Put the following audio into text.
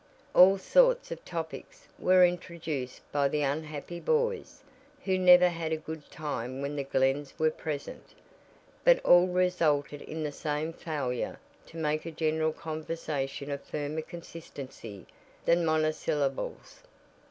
All sorts of topics were introduced by the unhappy boys, who never had a good time when the Glens were present, but all resulted in the same failure to make a general conversation of firmer consistency than monosyllables.